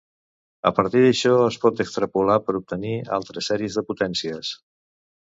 A partir d'això, es pot extrapolar per obtenir altres sèries de potències.